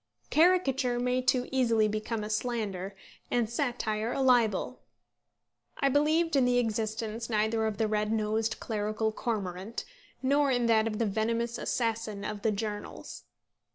Caricature may too easily become a slander, and satire a libel. I believed in the existence neither of the red nosed clerical cormorant, nor in that of the venomous assassin of the journals.